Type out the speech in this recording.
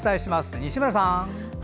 西村さん。